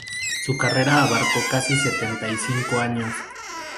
Su carrera abarcó casi setenta y cinco años.